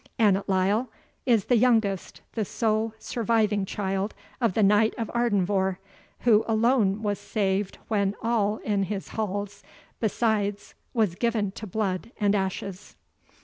Annot Lyle is the youngest, the sole surviving child of the Knight of Ardenvohr, who alone was saved when all in his halls besides was given to blood and ashes."